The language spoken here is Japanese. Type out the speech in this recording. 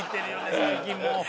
最近もう。